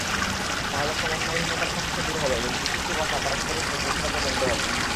তাহলে সমন্বয়হীনতার সমস্যা দূর হবে এবং ডিসিসি-ওয়াসা পারস্পরিক দোষারোপও বন্ধ হবে।